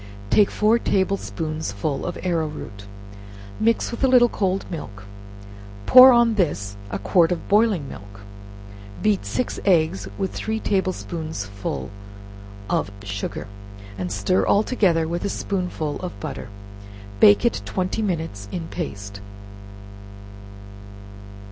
Take four table spoonsful of arrow root, mixed in a little cold milk; pour on this a quart of boiling milk, beat six eggs with three table spoonsful of sugar, and stir all together with a spoonful of butter, bake it twenty minutes in paste.